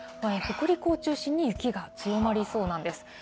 北陸を中心に、雪が強まりそうなんです。